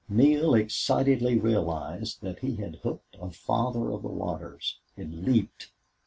Neale excitedly realized that he had hooked a father of the waters. It leaped.